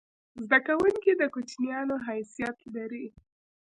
زده کوونکی د کوچنیانو حیثیت لري.